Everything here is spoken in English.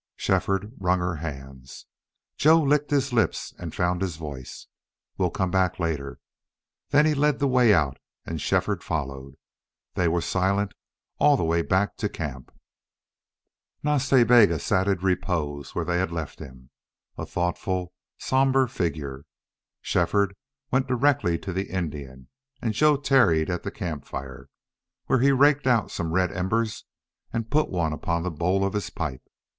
Shefford wrung her hands. Joe licked his lips and found his voice: "We'll come back later." Then he led the way out and Shefford followed. They were silent all the way back to camp. Nas Ta Bega sat in repose where they had left him, a thoughtful, somber figure. Shefford went directly to the Indian, and Joe tarried at the camp fire, where he raked out some red embers and put one upon the bowl of his pipe.